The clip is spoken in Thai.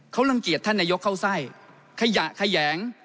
เขารังเกียจท่านนายกเข้าไส้ขยะแขยง